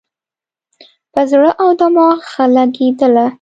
پر زړه او دماغ ښه لګېدله.